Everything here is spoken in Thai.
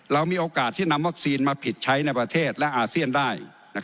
เรามีโอกาสที่นำวัคซีนมาผิดใช้ในประเทศและอาเซียนได้